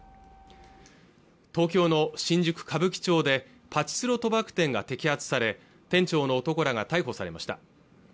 東京の新宿歌舞伎町でパチスロ賭博店が摘発され店長の男らが逮捕されました